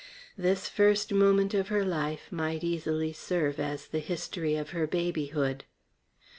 This first moment of her life might easily serve as the history of her babyhood.